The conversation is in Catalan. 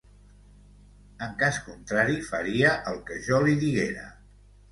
En cas contrari, faria el que jo li diguera.